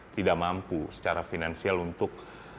tidak mampu secara finansial untuk